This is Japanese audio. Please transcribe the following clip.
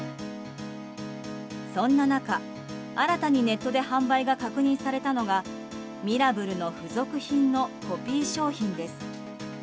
そんな中、新たにネットで販売が確認されたのがミラブルの付属品のコピー商品です。